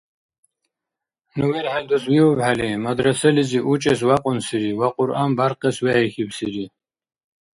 Ну верхӏел дус виубхӏели мадрасализи учӏес вякьунсири ва Кьуръан бяркъес вехӏихьибсири.